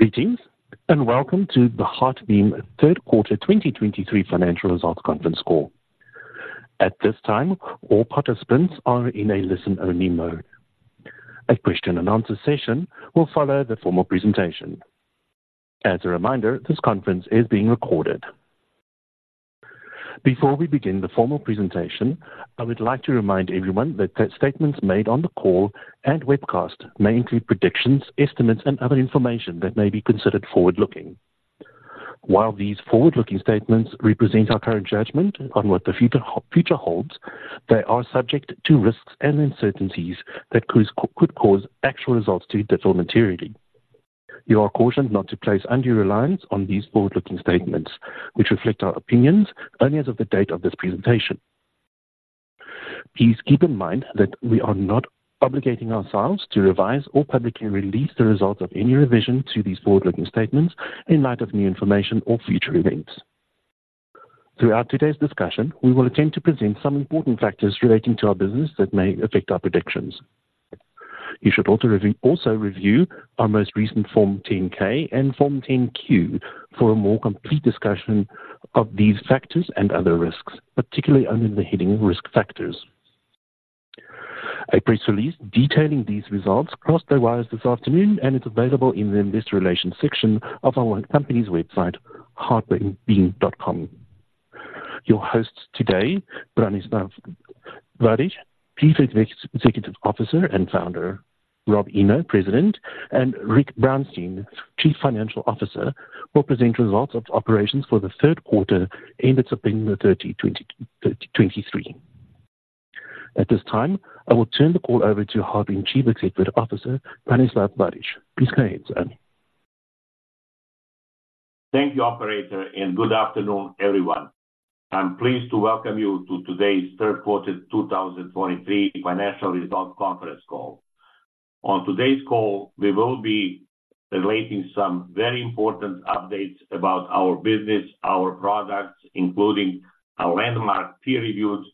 Greetings, and welcome to the HeartBeam third quarter 2023 financial results conference call. At this time, all participants are in a listen-only mode. A question-and-answer session will follow the formal presentation. As a reminder, this conference is being recorded. Before we begin the formal presentation, I would like to remind everyone that the statements made on the call and webcast may include predictions, estimates, and other information that may be considered forward-looking. While these forward-looking statements represent our current judgment on what the future holds, they are subject to risks and uncertainties that could cause actual results to differ materially. You are cautioned not to place undue reliance on these forward-looking statements, which reflect our opinions only as of the date of this presentation. Please keep in mind that we are not obligating ourselves to revise or publicly release the results of any revision to these forward-looking statements in light of new information or future events. Throughout today's discussion, we will attempt to present some important factors relating to our business that may affect our predictions. You should also review our most recent Form 10-K and Form 10-Q for a more complete discussion of these factors and other risks, particularly under the heading Risk Factors. A press release detailing these results crossed the wires this afternoon, and it's available in the Investor Relations section of our company's website, heartbeam.com. Your hosts today, Branislav Vajdic, Chief Executive Officer and Founder, Rob Eno, President, and Rick Brounstein, Chief Financial Officer, will present results of operations for the third quarter ended September 30, 2023. At this time, I will turn the call over to HeartBeam Chief Executive Officer, Branislav Vajdic. Please go ahead, sir. Thank you, operator, and good afternoon, everyone. I'm pleased to welcome you to today's third quarter 2023 financial results conference call. On today's call, we will be relating some very important updates about our business, our products, including a landmark peer-reviewed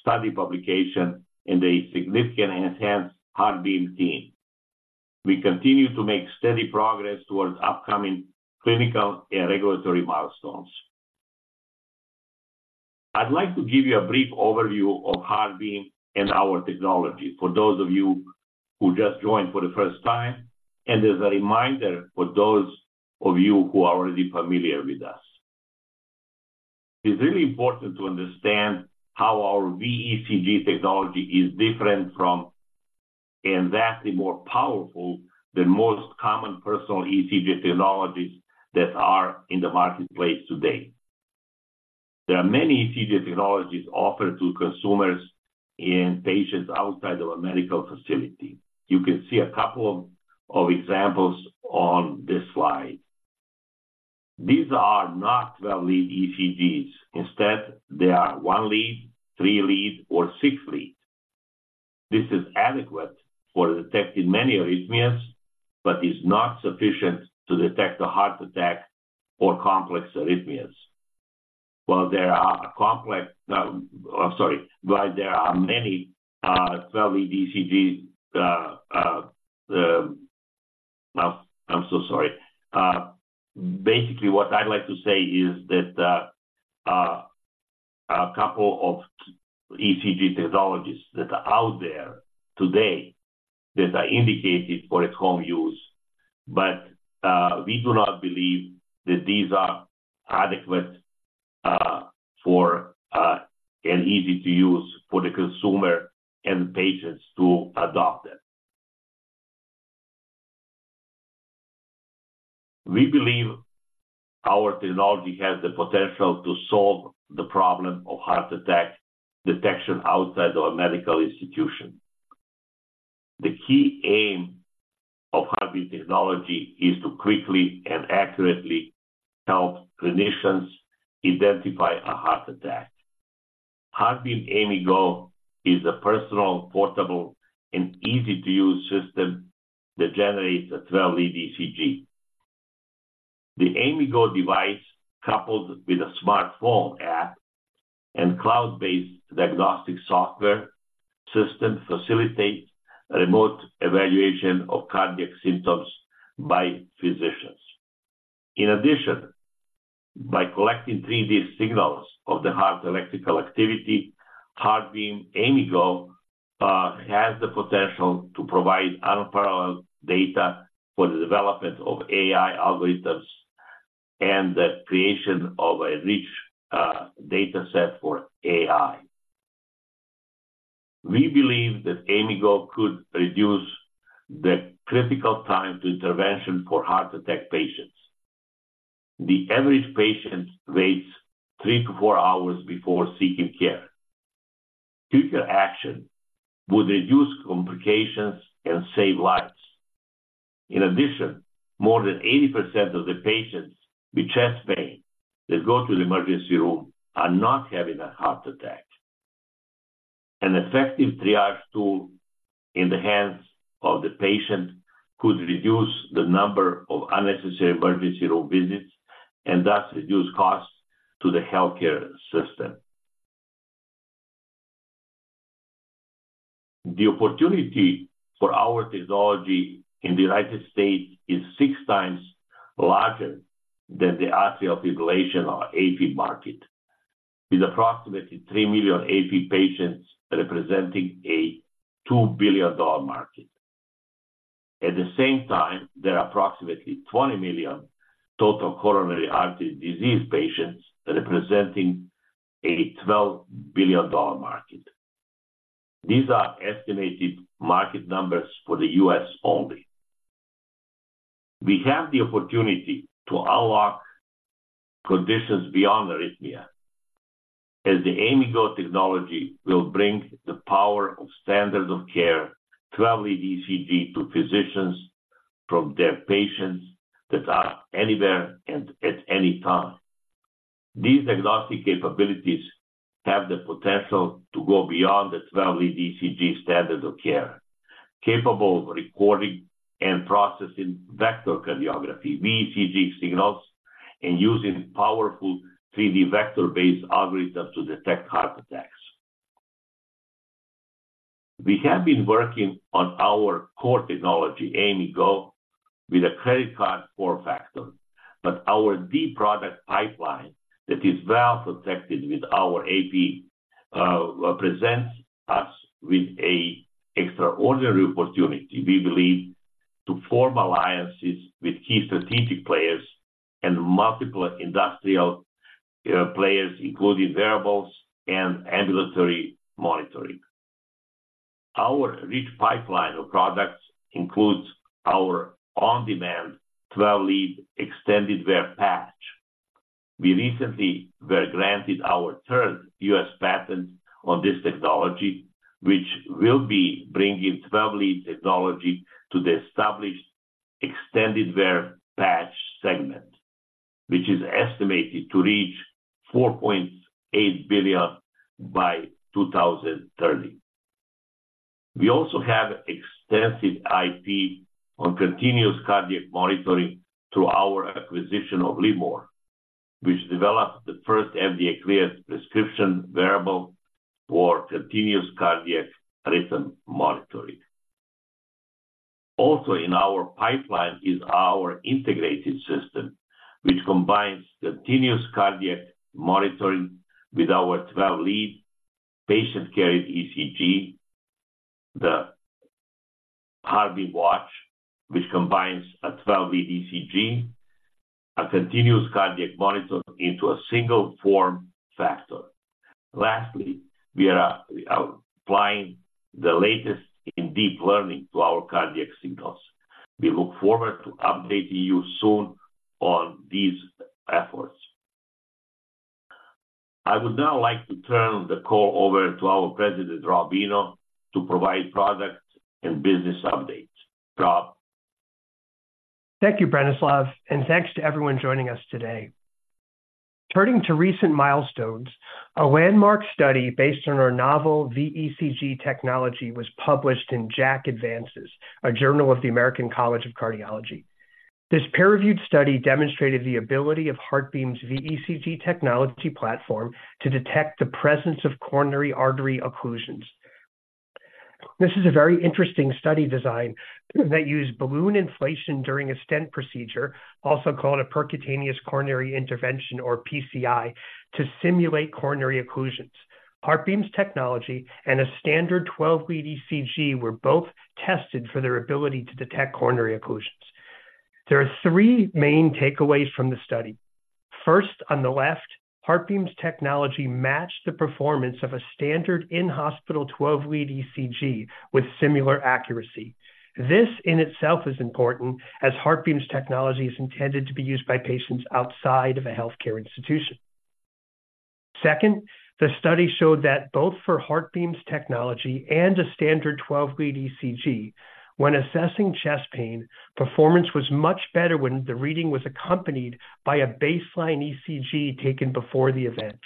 study publication and a significantly enhanced HeartBeam team. We continue to make steady progress towards upcoming clinical and regulatory milestones. I'd like to give you a brief overview of HeartBeam and our technology for those of you who just joined for the first time, and as a reminder for those of you who are already familiar with us. It's really important to understand how our VECG technology is different from, and vastly more powerful than most common personal ECG technologies that are in the marketplace today. There are many ECG technologies offered to consumers and patients outside of a medical facility. You can see a couple of examples on this slide. These are not 12-Lead ECGs. Instead, they are one lead, 3-Lead, or 6-Lead. This is adequate for detecting many arrhythmias, but is not sufficient to detect a heart attack or complex arrhythmias. While there are many 12-Lead ECGs, basically, what I'd like to say is that a couple of ECG technologies that are out there today, that are indicated for at-home use, but we do not believe that these are adequate for and easy to use for the consumer and patients to adopt them. We believe our technology has the potential to solve the problem of heart attack detection outside of a medical institution. The key aim of HeartBeam technology is to quickly and accurately help clinicians identify a heart attack. HeartBeam AIMIGo is a personal, portable, and easy-to-use system that generates a 12-Lead ECG. The AIMIGo device, coupled with a smartphone app and cloud-based diagnostic software system, facilitates remote evaluation of cardiac symptoms by physicians. In addition, by collecting 3D signals of the heart's electrical activity, HeartBeam AIMIGo has the potential to provide unparalleled data for the development of AI algorithms and the creation of a rich data set for AI. We believe that AIMIGo could reduce the critical time to intervention for heart attack patients. The average patient waits three to four hours before seeking care. Quicker action would reduce complications and save lives. In addition, more than 80% of the patients with chest pain that go to the emergency room are not having a heart attack. An effective triage tool in the hands of the patient could reduce the number of unnecessary emergency room visits and thus reduce costs to the healthcare system. The opportunity for our technology in the United States is six times larger than the atrial fibrillation or AFib market, with approximately 3 million AFib patients representing a $2 billion market. At the same time, there are approximately 20 million total coronary artery disease patients, representing a $12 billion market. These are estimated market numbers for the U.S. only. We have the opportunity to unlock conditions beyond arrhythmia, as the AIMIGo technology will bring the power of standard of care to 12-Lead ECG to physicians from their patients that are anywhere and at any time. These diagnostic capabilities have the potential to go beyond the 12-Lead ECG standard of care, capable of recording and processing vectorcardiography, VECG signals, and using powerful 3D vector-based algorithms to detect heart attacks. We have been working on our core technology, AIMIGo, with a credit card form factor, but our deep product pipeline that is well-protected with our IP presents us with an extraordinary opportunity, we believe, to form alliances with key strategic players and multiple industrial players, including wearables and ambulatory monitoring. Our rich pipeline of products includes our on-demand 12-Lead extended wear patch. We recently were granted our third U.S. patent on this technology, which will be bringing 12-Lead technology to the established extended wear patch segment, which is estimated to reach $4.8 billion by 2030. We also have extensive IP on continuous cardiac monitoring through our acquisition of LIVMOR, which developed the first FDA-cleared prescription wearable for continuous cardiac rhythm monitoring. Also in our pipeline is our integrated system, which combines continuous cardiac monitoring with our 12-Lead patient-carried ECG, the HeartBeam Watch, which combines a 12-Lead ECG, a continuous cardiac monitor into a single form factor. Lastly, we are applying the latest in deep learning to our cardiac signals. We look forward to updating you soon on these efforts. I would now like to turn the call over to our President, Rob Eno, to provide product and business updates. Rob? Thank you, Branislav, and thanks to everyone joining us today. Turning to recent milestones, a landmark study based on our novel VECG technology was published in JACC Advances, a journal of the American College of Cardiology. This peer-reviewed study demonstrated the ability of HeartBeam's VECG technology platform to detect the presence of coronary artery occlusions. This is a very interesting study design that used balloon inflation during a stent procedure, also called a percutaneous coronary intervention or PCI, to simulate coronary occlusions. HeartBeam's technology and a standard 12-Lead ECG were both tested for their ability to detect coronary occlusions. There are three main takeaways from the study. First, on the left, HeartBeam's technology matched the performance of a standard in-hospital 12-Lead ECG with similar accuracy. This in itself is important as HeartBeam's technology is intended to be used by patients outside of a healthcare institution. Second, the study showed that both for HeartBeam's technology and a standard 12-Lead ECG, when assessing chest pain, performance was much better when the reading was accompanied by a baseline ECG taken before the event.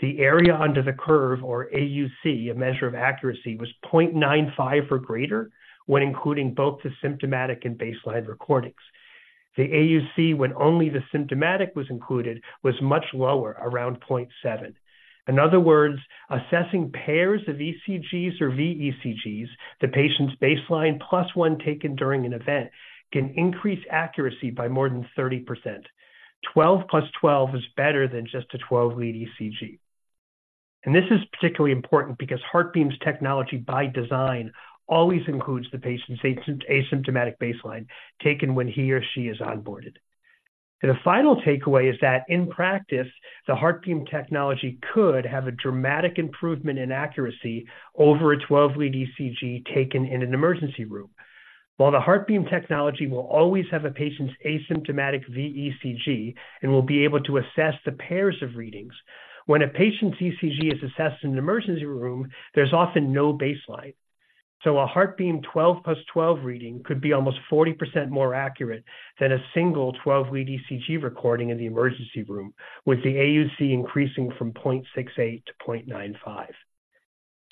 The area under the curve, or AUC, a measure of accuracy, was 0.95 or greater when including both the symptomatic and baseline recordings. The AUC, when only the symptomatic was included, was much lower, around 0.7. In other words, assessing pairs of ECGs or VECGs, the patient's baseline, plus one taken during an event, can increase accuracy by more than 30%. 12 + 12 is better than just a 12-Lead ECG. And this is particularly important because HeartBeam's technology, by design, always includes the patient's asymptomatic baseline taken when he or she is onBoarded. A final takeaway is that in practice, the HeartBeam technology could have a dramatic improvement in accuracy over a 12-Lead ECG taken in an emergency room. While the HeartBeam technology will always have a patient's asymptomatic VECG and will be able to assess the pairs of readings, when a patient's ECG is assessed in an emergency room, there's often no baseline. So a HeartBeam 12 + 12 reading could be almost 40% more accurate than a single 12-Lead ECG recording in the emergency room, with the AUC increasing from 0.68 to 0.95.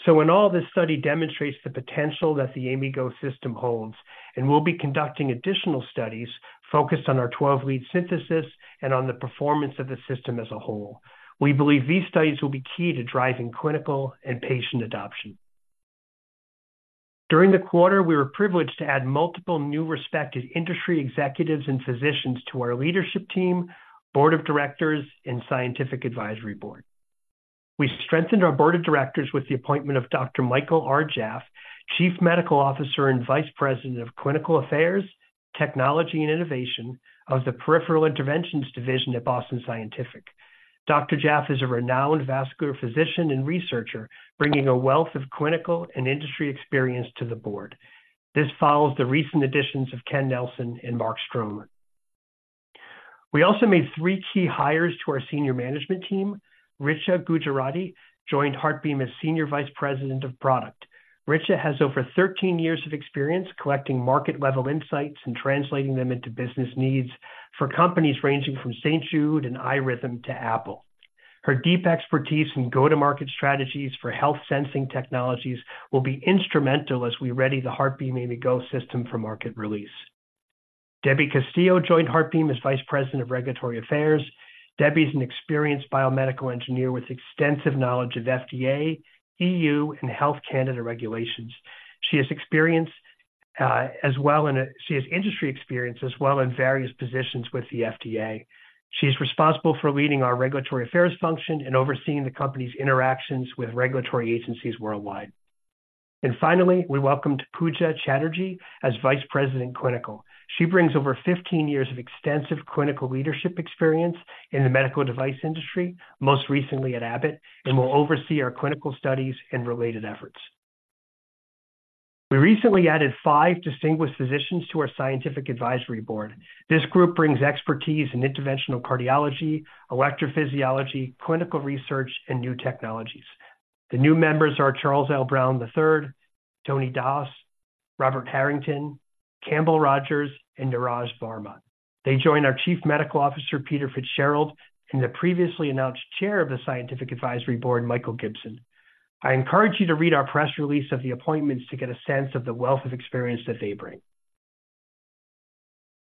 So in all, this study demonstrates the potential that the AIMIGo system holds, and we'll be conducting additional studies focused on our 12-Lead synthesis and on the performance of the system as a whole. We believe these studies will be key to driving clinical and patient adoption. During the quarter, we were privileged to add multiple new respected industry executives and physicians to our leadership team, Board of Directors, and Scientific Advisory Board. We strengthened our Board of Directors with the appointment of Dr. Michael R. Jaff, Chief Medical Officer and Vice President of Clinical Affairs, Technology and Innovation of the Peripheral Interventions Division at Boston Scientific. Dr. Jaff is a renowned vascular physician and researcher, bringing a wealth of clinical and industry experience to the Board. This follows the recent additions of Ken Nelson and Mark Strome. We also made three key hires to our senior management team. Richa Gujarati joined HeartBeam as Senior Vice President of Product. Richa has over 13 years of experience collecting market-level insights and translating them into business needs for companies ranging from St. Jude and iRhythm to Apple. Her deep expertise in go-to-market strategies for health sensing technologies will be instrumental as we ready the HeartBeam AIMIGo system for market release. Debbie Castillo joined HeartBeam as Vice President of Regulatory Affairs. Debbie is an experienced biomedical engineer with extensive knowledge of FDA, EU, and Health Canada regulations. She has industry experience as well in various positions with the FDA. She's responsible for leading our regulatory affairs function and overseeing the company's interactions with regulatory agencies worldwide. Finally, we welcomed Pooja Chatterjee as Vice President, Clinical. She brings over 15 years of extensive clinical leadership experience in the medical device industry, most recently at Abbott, and will oversee our clinical studies and related efforts. We recently added five distinguished physicians to our Scientific Advisory Board. This group brings expertise in interventional cardiology, electrophysiology, clinical research, and new technologies. The new members are Charles L. Brown III, Tony Das, Robert Harrington, Campbell Rogers, and Niraj Varma. They join our Chief Medical Officer, Peter Fitzgerald, and the previously announced Chair of the Scientific Advisory Board, Michael Gibson. I encourage you to read our press release of the appointments to get a sense of the wealth of experience that they bring.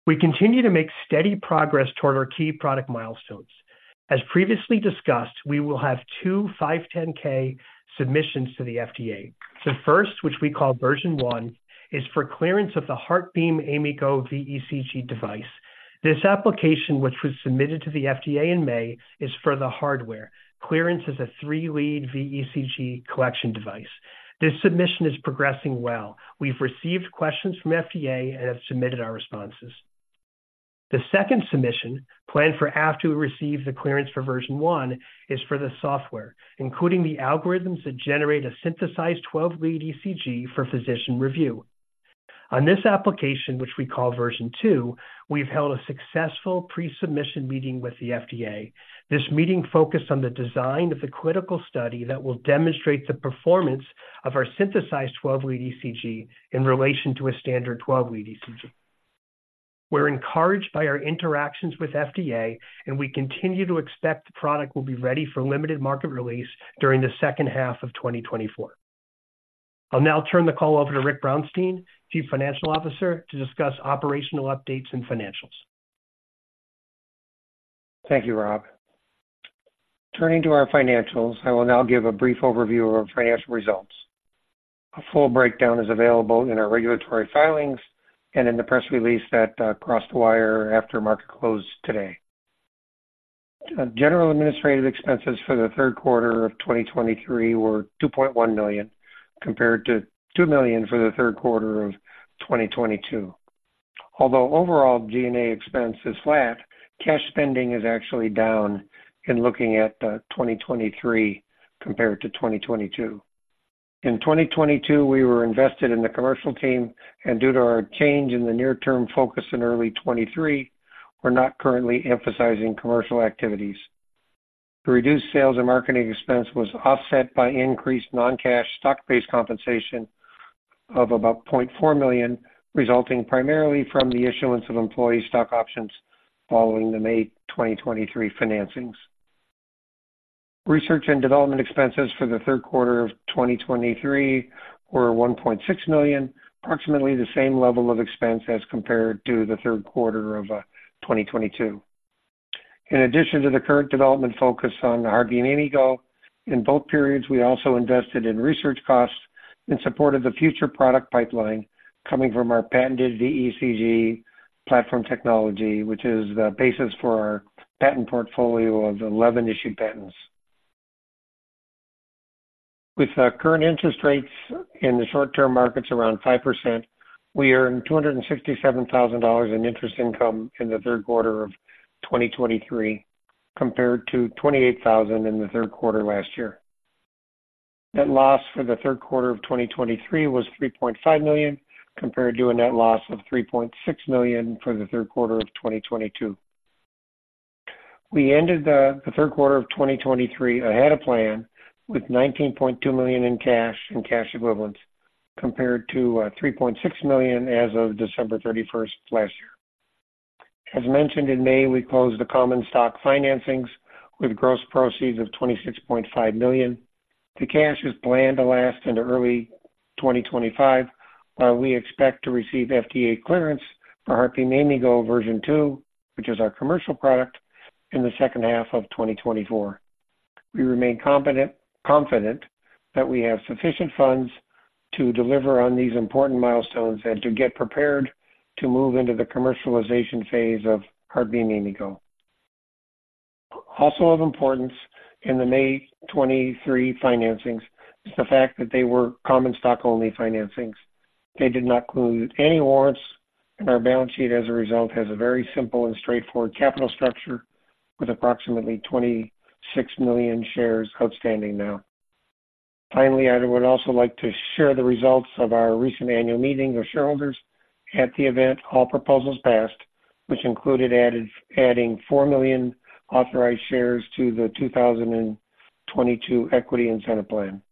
We continue to make steady progress toward our key product milestones. As previously discussed, we will have two 510(k) submissions to the FDA. The first, which we call Version 1, is for clearance of the HeartBeam AIMIGo VECG device. This application, which was submitted to the FDA in May, is for the hardware. Clearance is a 3-Lead VECG collection device. This submission is progressing well. We've received questions from FDA and have submitted our responses. The second submission, planned for after we receive the clearance for Version 1, is for the software, including the algorithms that generate a synthesized 12-Lead ECG for physician review. On this application, which we call Version 2, we've held a successful pre-submission meeting with the FDA. This meeting focused on the design of the clinical study that will demonstrate the performance of our synthesized 12-Lead ECG in relation to a standard 12-Lead ECG. We're encouraged by our interactions with FDA, and we continue to expect the product will be ready for limited market release during the second half of 2024. I'll now turn the call over to Rick Brounstein, Chief Financial Officer, to discuss operational updates and financials. Thank you, Rob. Turning to our financials, I will now give a brief overview of our financial results. A full breakdown is available in our regulatory filings and in the press release that crossed the wire after market close today. General and administrative expenses for the third quarter of 2023 were $2.1 million, compared to $2 million for the third quarter of 2022. Although overall G&A expense is flat, cash spending is actually down in looking at 2023 compared to 2022. In 2022, we were invested in the commercial team, and due to our change in the near-term focus in early 2023, we're not currently emphasizing commercial activities. The reduced sales and marketing expense was offset by increased non-cash stock-based compensation of about $0.4 million, resulting primarily from the issuance of employee stock options following the May 2023 financings. Research and development expenses for the third quarter of 2023 were $1.6 million, approximately the same level of expense as compared to the third quarter of 2022. In addition to the current development focus on HeartBeam AIMIGo, in both periods, we also invested in research costs in support of the future product pipeline coming from our patented VECG platform technology, which is the basis for our patent portfolio of 11 issued patents. With current interest rates in the short term markets around 5%, we earned $267,000 in interest income in the third quarter of 2023, compared to $28,000 in the third quarter last year. Net loss for the third quarter of 2023 was $3.5 million, compared to a net loss of $3.6 million for the third quarter of 2022. We ended the third quarter of 2023 ahead of plan with $19.2 million in cash and cash equivalents, compared to $3.6 million as of December 31st, 2022. As mentioned, in May, we closed the common stock financings with gross proceeds of $26.5 million. The cash is planned to last into early 2025, while we expect to receive FDA clearance for HeartBeam AIMIGo Version 2, which is our commercial product, in the second half of 2024. We remain confident, confident that we have sufficient funds to deliver on these important milestones and to get prepared to move into the commercialization phase of HeartBeam AIMIGo. Also of importance in the May 2023 financings is the fact that they were common stock-only financings. They did not include any warrants, and our balance sheet, as a result, has a very simple and straightforward capital structure with approximately 26 million shares outstanding now. Finally, I would also like to share the results of our recent annual meeting of shareholders. At the event, all proposals passed, which included adding 4 million authorized shares to the 2022 equity incentive plan.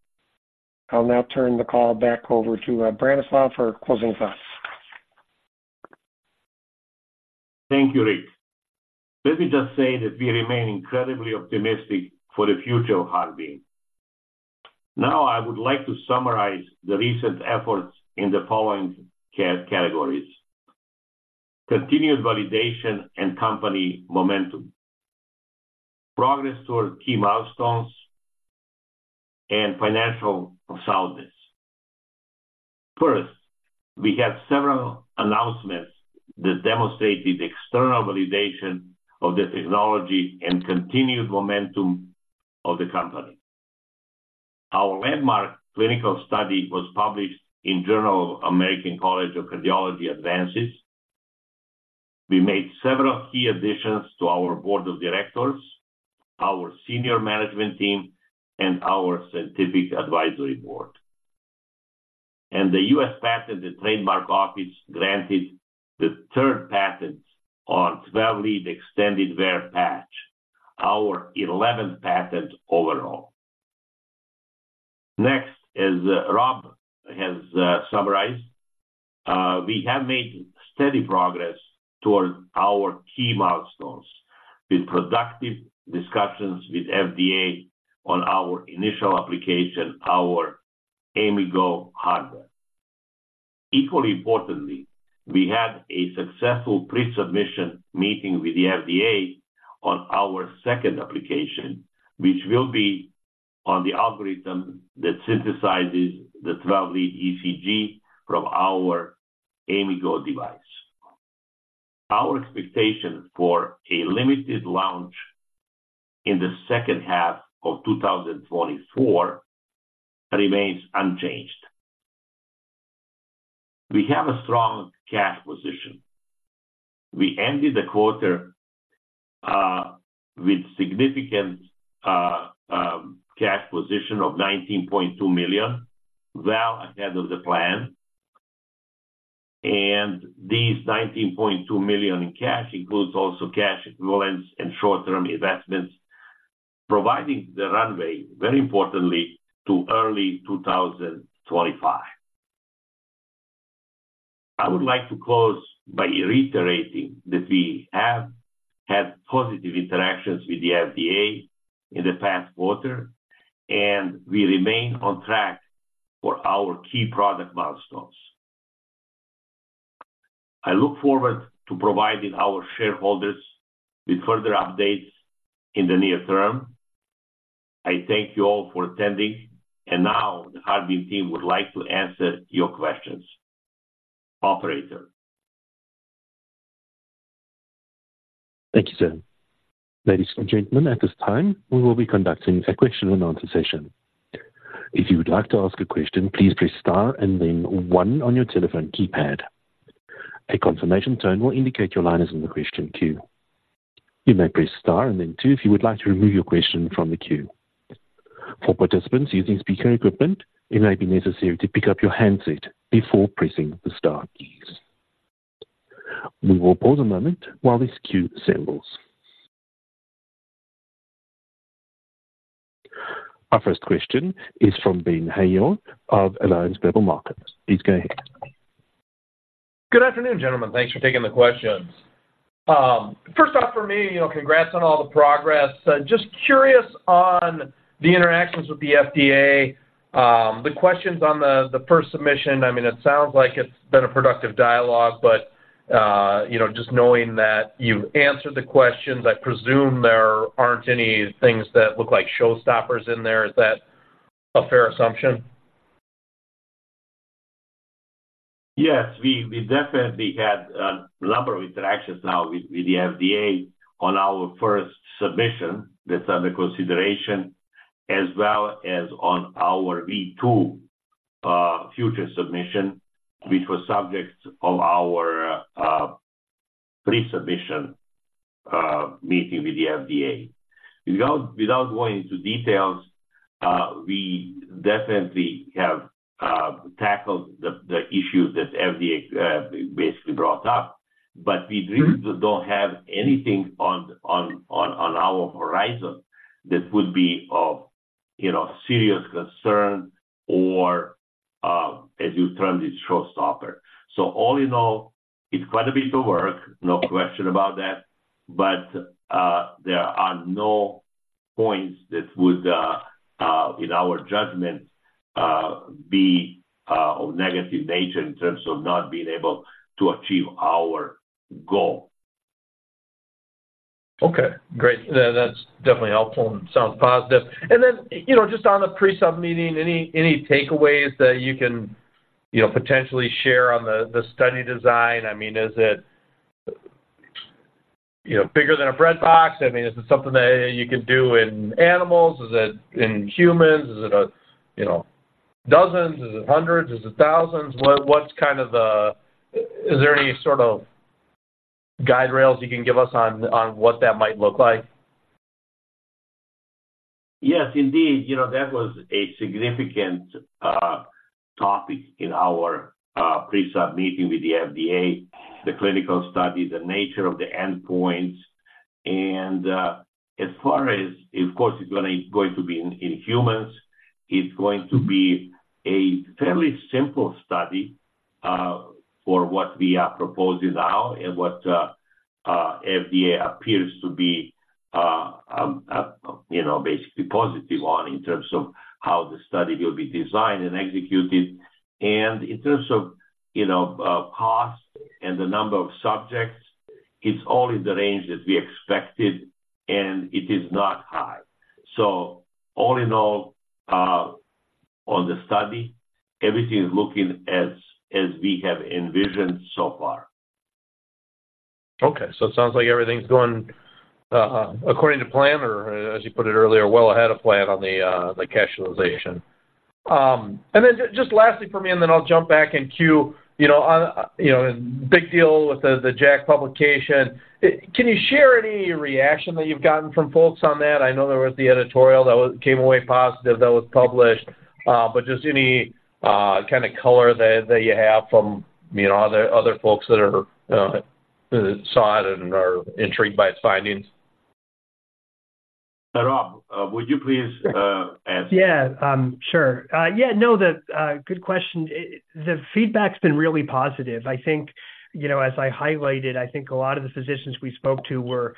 I'll now turn the call back over to Branislav for closing thoughts. Thank you, Rick. Let me just say that we remain incredibly optimistic for the future of HeartBeam. Now, I would like to summarize the recent efforts in the following categories: continued validation and company momentum, progress toward key milestones, and financial soundness. First, we had several announcements that demonstrated external validation of the technology and continued momentum of the company. Our landmark clinical study was published in Journal of American College of Cardiology Advances. We made several key additions to our Board of Directors, our senior management team, and our Scientific Advisory Board. And the U.S. Patent and Trademark Office granted the third patent on 12-Lead extended wear patch, our eleventh patent overall. Next, as Rob has summarized, we have made steady progress towards our key milestones, with productive discussions with FDA on our initial application, our AIMIGo hardware. Equally importantly, we had a successful pre-submission meeting with the FDA on our second application, which will be on the algorithm that synthesizes the 12-Lead ECG from our AIMIGo device. Our expectation for a limited launch in the second half of 2024 remains unchanged. We have a strong cash position. We ended the quarter with significant cash position of $19.2 million, well ahead of the plan. And these $19.2 million in cash includes also cash equivalents and short-term investments, providing the runway, very importantly, to early 2025. I would like to close by reiterating that we have had positive interactions with the FDA in the past quarter, and we remain on track for our key product milestones. I look forward to providing our shareholders with further updates in the near term. I thank you all for attending, and now the HeartBeam team would like to answer your questions. Operator? Thank you, sir. Ladies and gentlemen, at this time, we will be conducting a question-and-answer session. If you would like to ask a question, please press star and then one on your telephone keypad. A confirmation tone will indicate your line is in the question queue. You may press star and then two if you would like to remove your question from the queue. For participants using speaker equipment, it may be necessary to pick up your handset before pressing the star keys. We will pause a moment while this queue assembles. Our first question is from Ben Haynor of Alliance Global Partners. Please go ahead. Good afternoon, gentlemen. Thanks for taking the questions. First off, for me, you know, congrats on all the progress. Just curious on the interactions with the FDA. The questions on the first submission, I mean, it sounds like it's been a productive dialogue, but, you know, just knowing that you've answered the questions, I presume there aren't any things that look like showstoppers in there. Is that a fair assumption? Yes, we definitely had a number of interactions now with the FDA on our first submission that's under consideration, as well as on our V2 future submission, which was subject of our pre-submission meeting with the FDA. Without going into details, we definitely have tackled the issues that FDA basically brought up, but we really don't have anything on our horizon that would be of, you know, serious concern or, as you term it, showstopper. So all in all, it's quite a bit of work, no question about that, but there are no points that would in our judgment be of negative nature in terms of not being able to achieve our goal. Okay, great. That's definitely helpful and sounds positive. And then, you know, just on the pre-sub meeting, any takeaways that you can, you know, potentially share on the study design? I mean, is it, you know, bigger than a breadbox? I mean, is it something that you can do in animals? Is it in humans? Is it a, you know, dozens? Is it hundreds? Is it thousands? What's kind of the- Are there any sort of guardrails you can give us on what that might look like? Yes, indeed. You know, that was a significant topic in our pre-sub meeting with the FDA, the clinical study, the nature of the endpoints. And as far as... Of course, it's going to be in humans. It's going to be a fairly simple study for what we are proposing now and what FDA appears to be, you know, basically positive on in terms of how the study will be designed and executed. And in terms of, you know, cost and the number of subjects, it's all in the range that we expected, and it is not high. So all in all, on the study, everything is looking as we have envisioned so far. Okay. So it sounds like everything's going according to plan, or as you put it earlier, well ahead of plan on the commercialization. And then just lastly for me, and then I'll jump back in queue. You know, on, you know, big deal with the JACC publication. Can you share any reaction that you've gotten from folks on that? I know there was the editorial that came away positive, that was published. But just any kind of color that you have from, you know, other folks that are saw it and are intrigued by its findings? Rob, would you please answer? Yeah, sure. Yeah, no, the good question. The feedback's been really positive. I think, you know, as I highlighted, I think a lot of the physicians we spoke to were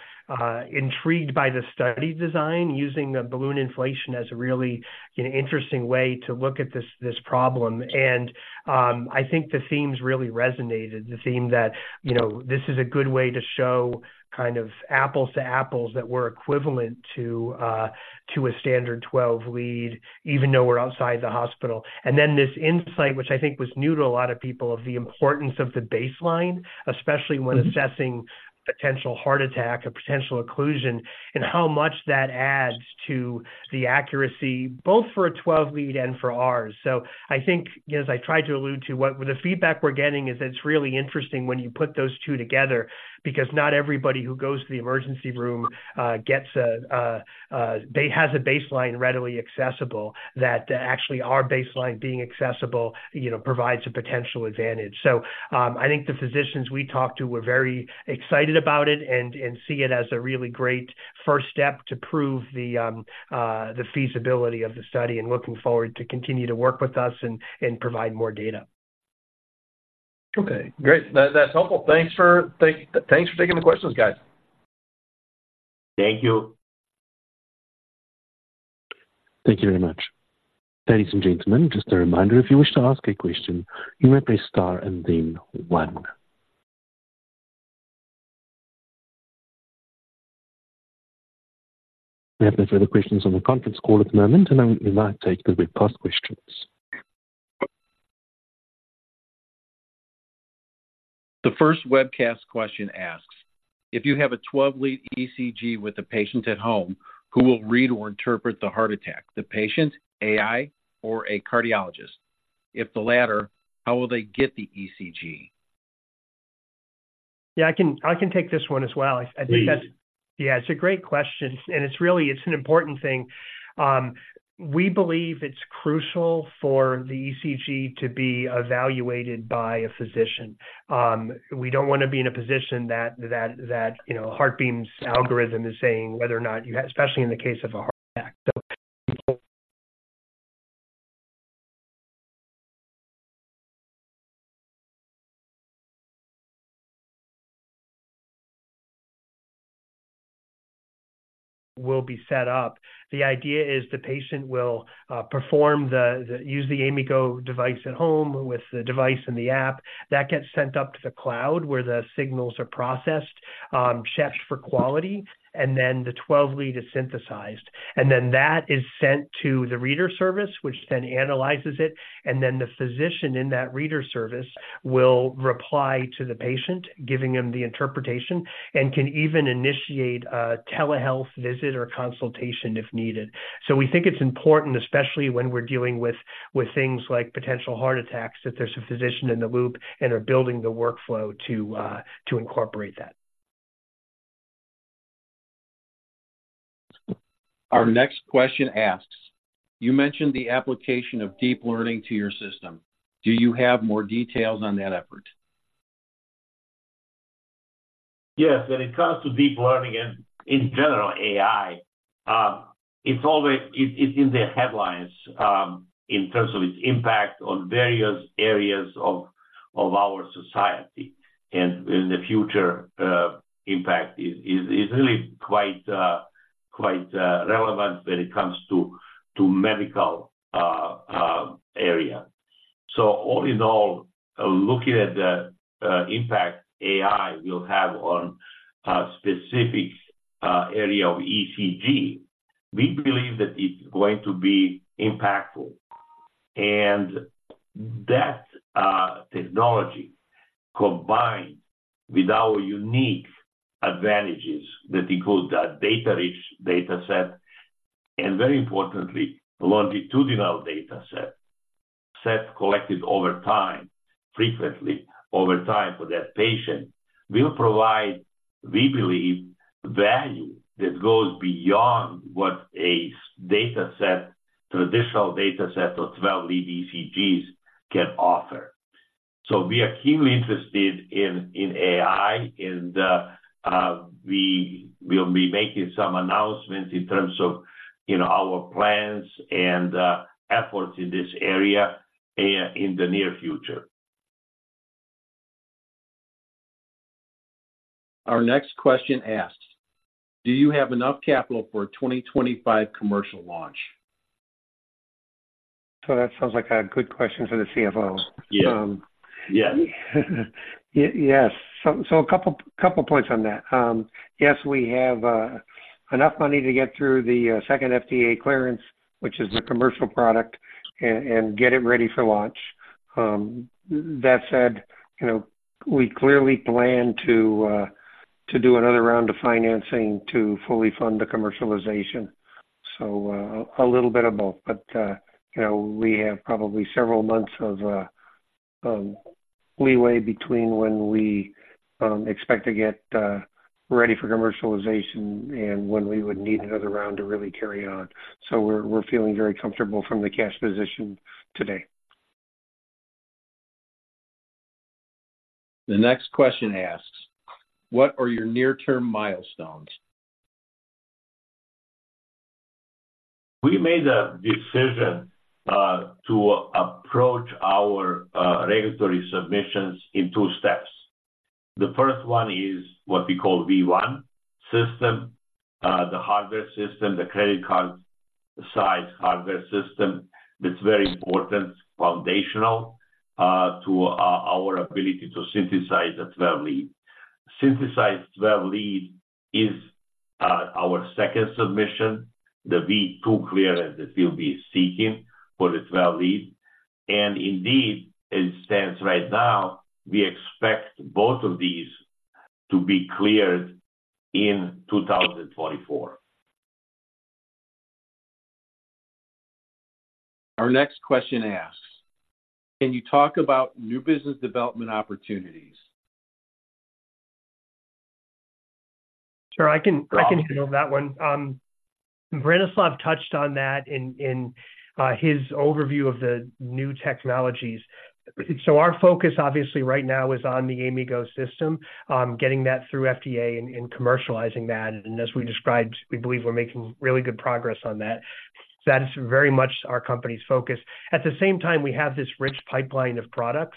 intrigued by the study design, using a balloon inflation as a really, an interesting way to look at this, this problem. And, I think the themes really resonated. The theme that, you know, this is a good way to show kind of apples to apples, that we're equivalent to a standard 12-Lead, even though we're outside the hospital. And then this insight, which I think was new to a lot of people, of the importance of the baseline, especially when assessing potential heart attack or potential occlusion, and how much that adds to the accuracy, both for a 12-Lead and for ours. So I think, as I tried to allude to, the feedback we're getting is it's really interesting when you put those two together, because not everybody who goes to the emergency room gets a baseline readily accessible, that actually our baseline being accessible, you know, provides a potential advantage. So, I think the physicians we talked to were very excited about it and see it as a really great first step to prove the feasibility of the study and looking forward to continue to work with us and provide more data. Okay, great. That's helpful. Thanks for taking the questions, guys. Thank you. Thank you very much. Ladies and gentlemen, just a reminder, if you wish to ask a question, you may press star and then one. We have no further questions on the conference call at the moment, and now we might take the webcast questions. The first webcast question asks: If you have a 12-Lead ECG with a patient at home, who will read or interpret the heart attack? The patient, AI, or a cardiologist? If the latter, how will they get the ECG? Yeah, I can take this one as well. I think that's- Please. Yeah, it's a great question, and it's really, it's an important thing. We believe it's crucial for the ECG to be evaluated by a physician. We don't wanna be in a position that, you know, HeartBeam's algorithm is saying whether or not you have... especially in the case of a heart attack. So will be set up. The idea is the patient will perform, use the AIMIGo device at home with the device and the app. That gets sent up to the cloud, where the signals are processed, checked for quality, and then the 12-Lead is synthesized. And then that is sent to the reader service, which then analyzes it, and then the physician in that reader service will reply to the patient, giving them the interpretation, and can even initiate a telehealth visit or consultation if needed. So we think it's important, especially when we're dealing with things like potential heart attacks, that there's a physician in the loop and are building the workflow to incorporate that. Our next question asks: You mentioned the application of deep learning to your system. Do you have more details on that effort? Yes. When it comes to deep learning and in general, AI, it's always, it's in the headlines, in terms of its impact on various areas of-... of our society, and in the future, impact is really quite relevant when it comes to, to medical, area. So all in all, looking at the, impact AI will have on a specific, area of ECG, we believe that it's going to be impactful. And that, technology, combined with our unique advantages, that include our data-rich data set, and very importantly, longitudinal data set collected over time, frequently over time for that patient, will provide, we believe, value that goes beyond what a data set, traditional data set of 12-Lead ECGs can offer. So we are keenly interested in AI, and we will be making some announcements in terms of, you know, our plans and efforts in this area in the near future. Our next question asks: Do you have enough capital for a 2025 commercial launch? That sounds like a good question for the CFO. Yeah. Yeah. Yes. So, a couple points on that. Yes, we have enough money to get through the second FDA clearance, which is the commercial product, and get it ready for launch. That said, you know, we clearly plan to do another round of financing to fully fund the commercialization. So, a little bit of both, but, you know, we have probably several months of leeway between when we expect to get ready for commercialization and when we would need another round to really carry on. So we're feeling very comfortable from the cash position today. The next question asks: What are your near-term milestones? We made a decision to approach our regulatory submissions in two steps. The first one is what we call V1 system, the hardware system, the credit card-sized hardware system. That's very important, foundational, to our ability to synthesize a 12-Lead. 12-Lead is our second submission, the V2 clearance that we'll be seeking for the 12-Lead. And indeed, as it stands right now, we expect both of these to be cleared in 2024. Our next question asks: Can you talk about new business development opportunities? Sure, I can- Um... I can handle that one. Branislav touched on that in his overview of the new technologies. So our focus, obviously, right now is on the AIMIGo system, getting that through FDA and commercializing that. And as we described, we believe we're making really good progress on that. That is very much our company's focus. At the same time, we have this rich pipeline of products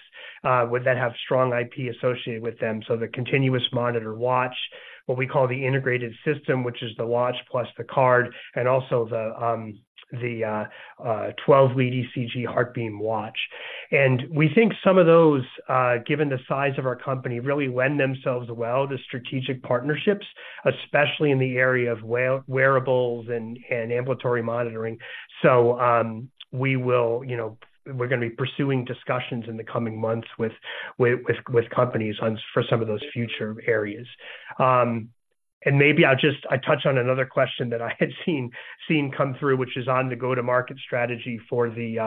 with that have strong IP associated with them. So the continuous monitor watch, what we call the integrated system, which is the watch plus the card, and also the 12-Lead ECG HeartBeam Watch. And we think some of those, given the size of our company, really lend themselves well to strategic partnerships, especially in the area of wearables and ambulatory monitoring. So, we will, you know, we're gonna be pursuing discussions in the coming months with companies on for some of those future areas. And maybe I'll just... I touched on another question that I had seen come through, which is on the go-to-market strategy for the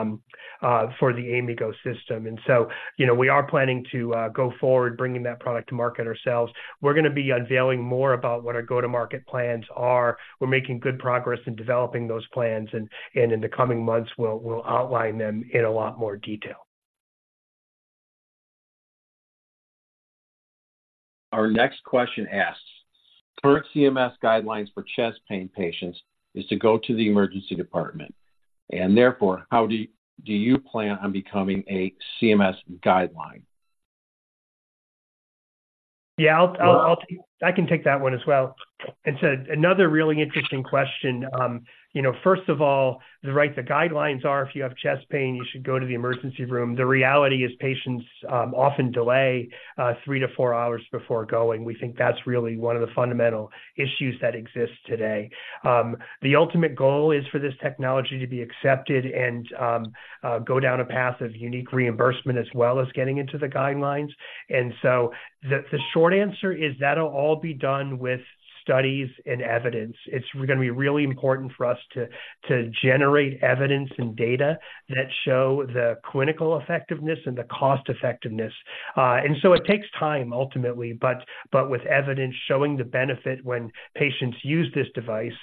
AIMIGo system. And so, you know, we are planning to go forward, bringing that product to market ourselves. We're gonna be unveiling more about what our go-to-market plans are. We're making good progress in developing those plans, and in the coming months, we'll outline them in a lot more detail. Our next question asks: Current CMS guidelines for chest pain patients is to go to the emergency department, and therefore, how do you plan on becoming a CMS guideline? Yeah, I'll take - I can take that one as well. It's another really interesting question. You know, first of all, right, the guidelines are if you have chest pain, you should go to the emergency room. The reality is patients often delay three to four hours before going. We think that's really one of the fundamental issues that exists today. The ultimate goal is for this technology to be accepted and go down a path of unique reimbursement, as well as getting into the guidelines. And so the short answer is that'll all be done with studies and evidence. It's gonna be really important for us to generate evidence and data that show the clinical effectiveness and the cost-effectiveness. And so it takes time, ultimately, but with evidence showing the benefit when patients use this device,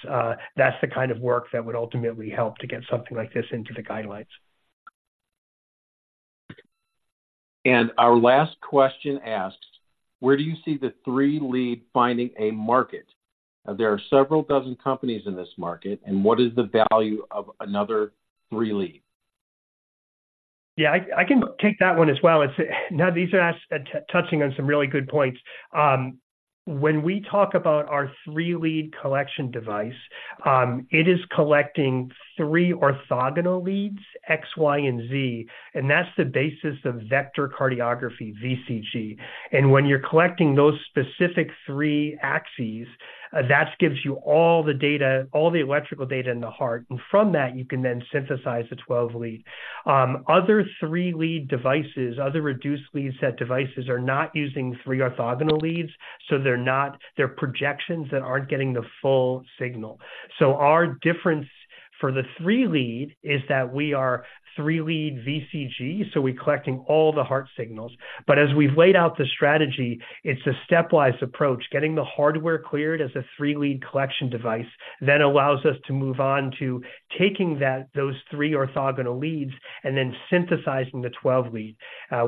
that's the kind of work that would ultimately help to get something like this into the guidelines. Our last question asks: Where do you see the three-lead finding a market? There are several dozen companies in this market, and what is the value of another three-lead? Yeah, I can take that one as well. It's, now these are touching on some really good points. When we talk about our 3-Lead collection device, it is collecting three orthogonal leads, X, Y, and Z, and that's the basis of vector cardiography, VCG. And when you're collecting those specific three axes, that gives you all the data, all the electrical data in the heart, and from that, you can then synthesize the 12-Lead. Other 3-Lead devices, other reduced lead set devices, are not using three orthogonal leads, so they're not, they're projections that aren't getting the full signal. So our difference for the 3-Lead is that we are 3-Lead VCG, so we're collecting all the heart signals. But as we've laid out the strategy, it's a stepwise approach. Getting the hardware cleared as a 3-Lead collection device, then allows us to move on to taking that, those three orthogonal leads and then synthesizing the 12-Lead.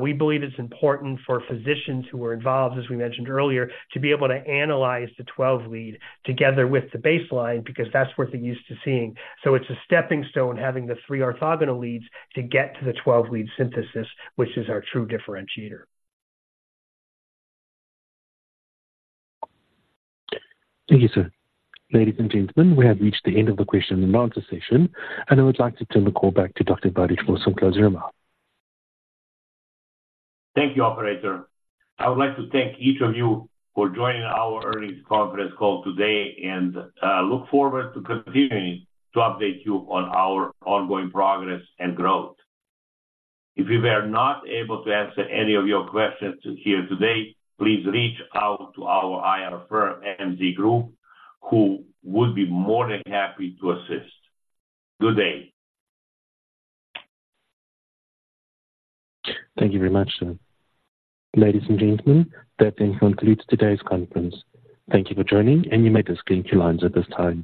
We believe it's important for physicians who are involved, as we mentioned earlier, to be able to analyze the 12-Lead together with the baseline, because that's what they're used to seeing. So it's a stepping stone, having the three orthogonal leads to get to the 12-Lead synthesis, which is our true differentiator. Thank you, sir. Ladies and gentlemen, we have reached the end of the question and answer session, and I would like to turn the call back to Dr. Branislav to close the remark. Thank you, operator. I would like to thank each of you for joining our earnings conference call today, and look forward to continuing to update you on our ongoing progress and growth. If we were not able to answer any of your questions here today, please reach out to our IR firm, MZ Group, who would be more than happy to assist. Good day! Thank you very much, sir. Ladies and gentlemen, that then concludes today's conference. Thank you for joining, and you may disconnect your lines at this time.